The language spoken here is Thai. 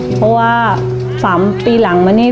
เพราะว่า๓ปีหลังมานี่